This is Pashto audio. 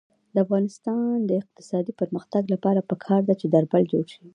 د افغانستان د اقتصادي پرمختګ لپاره پکار ده چې درمل جوړ شي.